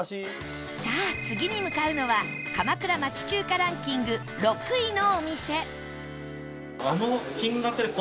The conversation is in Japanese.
さあ次に向かうのは鎌倉町中華ランキング６位のお店